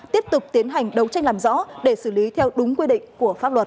tiếp tục tiến hành đấu tranh làm rõ để xử lý theo đúng quy định của pháp luật